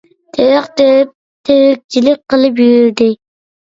تېرىق تېرىپ ، تىرىكچىلىك قىلىپ يۈردى.